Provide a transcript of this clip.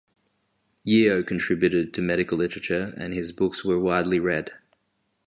Yeo contributed to medical literature and his books were widely read.